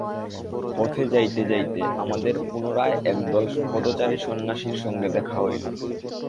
পথে যাইতে যাইতে আমাদের পুনরায় একদল পদচারী সন্ন্যাসীর সঙ্গে দেখা হইল।